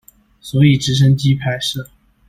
所以直升機拍攝